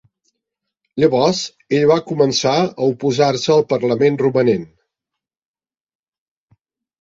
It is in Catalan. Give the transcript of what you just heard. Llavors ell va començar a oposar-se al Parlament romanent.